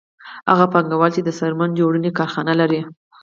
هغه پانګوال چې د څرمن جوړونې کارخانه لري